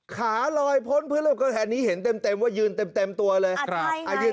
ขาลอยพ้นพื้นแล้วก็แทนนี้เห็นเต็มว่ายืนเต็มตัวเลย